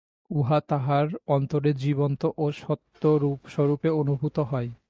উহা তাঁহার অন্তরে জীবন্ত ও সত্যস্বরূপে অনুভূত হয়।